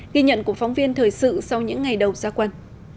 ghi nhận của phóng viên thời sự sau những ngày đầu gia quân